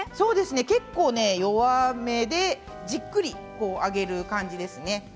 結構、弱めでじっくり揚げる感じですね。